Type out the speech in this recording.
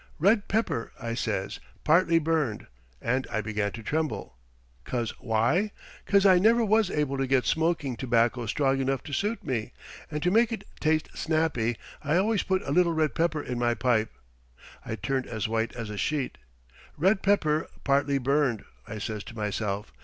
'Red pepper,' I says, 'partly burned,' and I began to tremble. 'Cause why? 'Cause I never was able to get smoking tobacco strong enough to suit me, and to make it taste snappy I always put a little red pepper in my pipe. I turned as white as a sheet. 'Red pepper partly burned!' I says to myself.